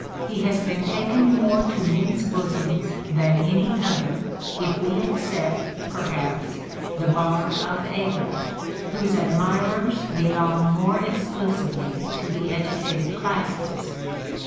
he has been taken more to men's bosoms than any (other) if we except, perhaps, the bard of Avon, whose admirers belong THE STRATFORDIAN VIEW 31 more exclusively to the educated classes."